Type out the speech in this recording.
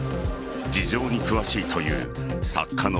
事情に詳しいという作家の